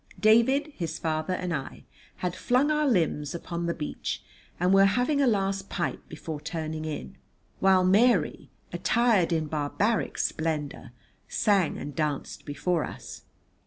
David, his father and I had flung our limbs upon the beach and were having a last pipe before turning in, while Mary, attired in barbaric splendour, sang and danced before us.